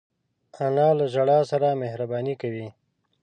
انا له ژړا سره مهربانې کوي